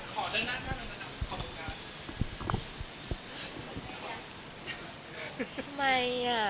ขอเดินหน้านี้หน่อยขอบังการ